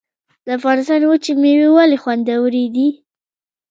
د افغانستان وچې میوې ولې خوندورې دي؟